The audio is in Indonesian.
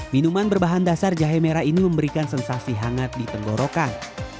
minuman berbahan dasar jahe merah ini memberikan sensasi hangat di tenggorokan